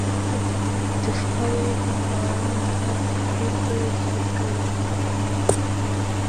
Дышԥаиеигәырӷьа лара мамзаргьы, дгәыдкыло-дхыдкыло?!